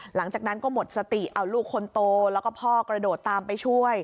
หลังจากนั้นก็หมดสติเอาลูกคนโตแล้วก็พ่อกระโดดตามไปช่วย